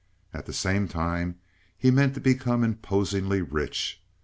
At the same time he meant to become imposingly rich.